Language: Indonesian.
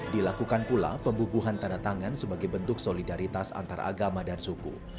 dilakukan pula pembubuhan tanda tangan sebagai bentuk solidaritas antara agama dan suku